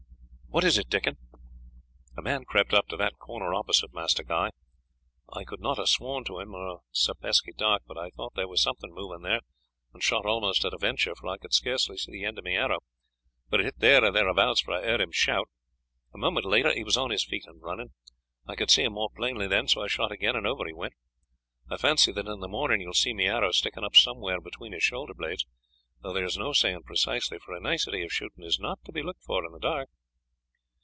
"What is it, Dickon?" "A man crept up to that corner opposite, Master Guy. I could not have sworn to him, it is so pesky dark, but I thought there was something moving there and shot almost at a venture, for I could scarce see the end of my arrow; but it hit there or thereabouts, for I heard him shout. A moment later he was on his feet and running. I could see him more plainly then, so I shot again, and over he went. I fancy that in the morning you will see my arrow sticking up somewhere between his shoulder blades, though there is no saying precisely, for a nicety of shooting is not to be looked for in the dark."